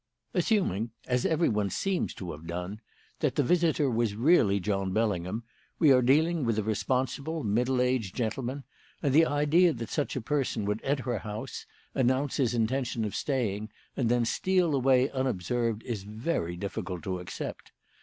"Assuming as everyone seems to have done that the visitor was really John Bellingham, we are dealing with a responsible, middle aged gentleman, and the idea that such a person would enter a house, announce his intention of staying, and then steal away unobserved is very difficult to accept.